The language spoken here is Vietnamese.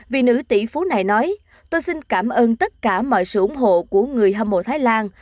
vì nữ tỷ phú này nói tôi xin cảm ơn tất cả mọi sự ủng hộ của người hâm mộ thái lan